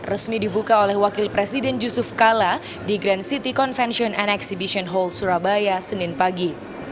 resmi dibuka oleh wakil presiden yusuf kala di grand city convention and exhibition hall surabaya senin pagi